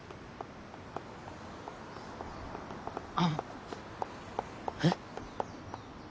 あのえっ？